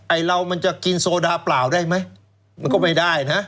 ไอเรามันจะกินโซดาเปล่าได้ไหมมันก็ไม่ได้นะ